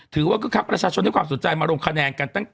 ถือว่าก็คักประชาชนได้ความสนใจมาโรงคะแนนกัน